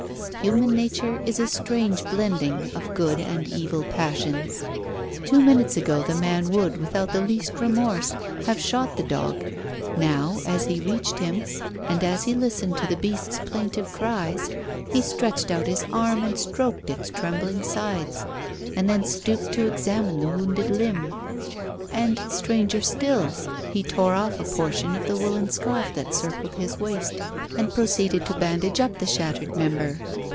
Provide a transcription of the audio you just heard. Human nature is a strange blending of good and evil passions. Two minutes ago the man would, without the least remorse, have shot the dog. Now as he reached him, and he listened to the beast's plaintive cries, he stretched out his arm and stroked its trembling sides, and then stooped to examine the wounded limb. And, stranger still, he tore off a portion of the woollen scarf that circled his waist and proceeded to bandage up the shattered member.